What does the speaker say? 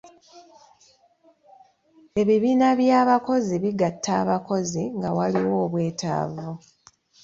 Ebibiina by'abakozi bgatta abakozi nga waliwo obwetaavu.